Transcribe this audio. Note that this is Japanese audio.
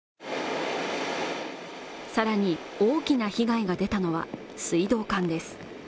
さらに大きな被害が出たのは水道管です